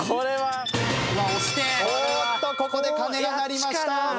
ここで鐘が鳴りました！